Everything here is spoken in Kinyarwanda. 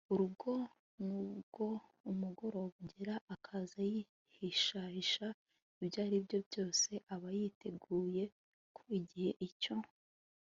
urugo. n'ubwo umugoroba ugera akaza yihishahisha, ibyo aribyo byose aba yiteguye ko igihe icyo